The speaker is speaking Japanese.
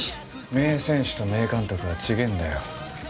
名選手と名監督は違ぇんだよ。